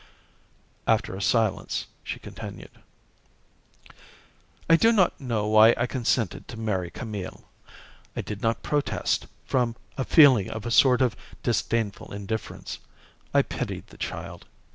After a silence, she continued: "I do not know why I consented to marry Camille. I did not protest, from a feeling of a sort of disdainful indifference. I pitied the child.